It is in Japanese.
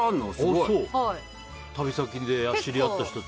旅先で知り合った人と？